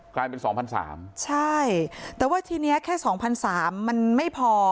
กลายเป็นสองพันสามใช่แต่ว่าทีนี้แค่สองพันสามมันไม่พอ